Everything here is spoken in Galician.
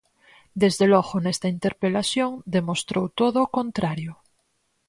Desde logo, nesta interpelación demostrou todo o contrario.